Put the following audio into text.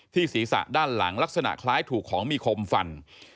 ศีรษะด้านหลังลักษณะคล้ายถูกของมีคมฟัน